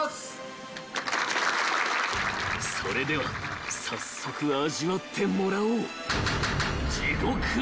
［それでは早速味わってもらおう］